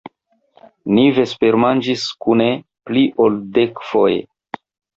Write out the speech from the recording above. Ni vespermanĝis kune pli ol dekfoje!